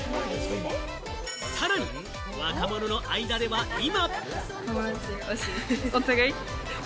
さらに若者の間では、今。